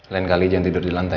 lain kali jangan tidur di lantai